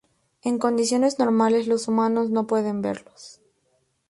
En condiciones normales, los humanos no pueden verlos.